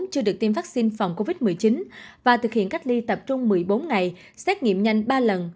chưa được tiêm vaccine phòng covid một mươi chín và thực hiện cách ly tập trung một mươi bốn ngày xét nghiệm nhanh ba lần